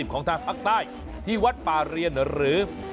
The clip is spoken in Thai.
ของทางภาคใต้ที่วัดป่าเรียนหรือ